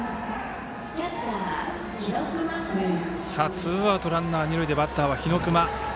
ツーアウトランナー、二塁でバッターは日隈。